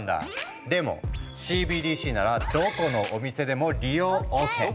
でもＣＢＤＣならどこのお店でも利用ＯＫ。